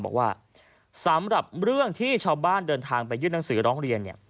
บอกว่าสำหรับเรื่องที่ชาวบ้านเดินทางไปยื่นหนังสือร้องเรียนเนี่ย